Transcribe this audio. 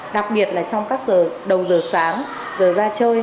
đặc biệt là trong các đầu giờ sáng giờ ra chơi